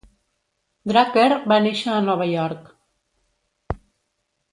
Drucker va néixer a Nova York.